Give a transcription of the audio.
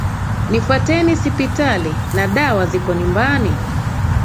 Nifwateni sipitali, na dawa ziko nyumbani?